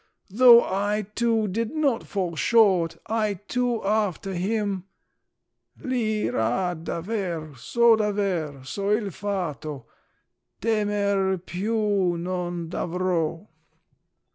though I too did not fall short, I too after him. "L'i ra daver … so daver … so il fato Temèr più non davro!"